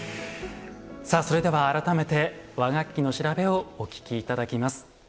さあそれでは改めて和楽器の調べをお聴き頂きます。